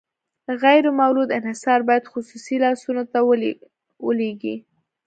غیر مولد انحصار باید خصوصي لاسونو ته ولویږي.